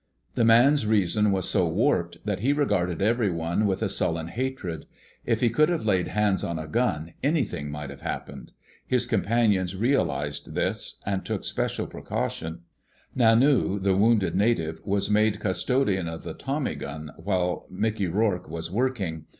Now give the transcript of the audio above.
The man's reason was so warped that he regarded everyone with a sullen hatred. If he could have laid hands on a gun, anything might have happened. His companions realized this and took special precautions. Nanu, the wounded native, was made custodian of the tommy gun while Mickey Rourke was working.